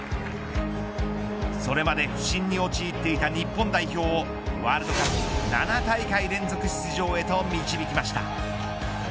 それまで不振に陥っていた日本代表をワールドカップ７大会連続出場へと導きました。